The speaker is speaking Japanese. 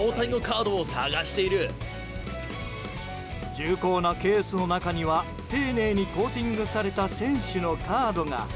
重厚なケースの中には丁寧にコーティングされた選手のカードが。